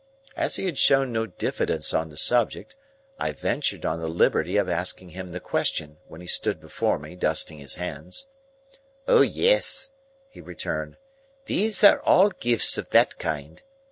As he had shown no diffidence on the subject, I ventured on the liberty of asking him the question, when he stood before me, dusting his hands. "O yes," he returned, "these are all gifts of that kind.